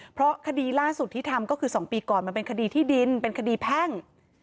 เพราะคดีล่าสุดที่ทำก็คือ๒ปีก่อนมันเป็นคดีที่ดินเป็นคดีแพ่ง